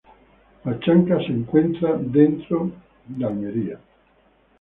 Woodbury se encuentra dentro del pueblo de Oyster Bay.